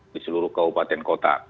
di seluruh kabupaten kota